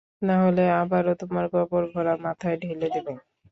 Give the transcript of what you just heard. নাহলে আবার ও তোমার গোবর ভরা মাথায় ঢেলে দেবে।